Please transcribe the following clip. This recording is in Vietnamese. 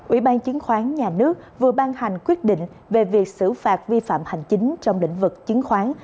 ủy ban chứng khoán nhà nước vừa ban hành quyết định về việc xử phạt vi phạm hành chính trong lĩnh vực chứng khoán